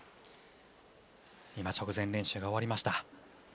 今、直前練習が終わりました。